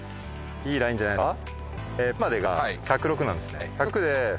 いいラインじゃないですか。